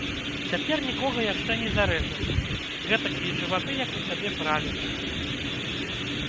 Цяпер нікога яшчэ не зарэзалі, гэтакія жываты, як у цябе, правячы.